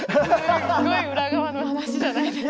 すごい裏側の話じゃないですか。